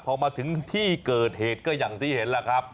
พอมาถึงที่เกิดเหตุก็อย่างที่เห็นแหละครับ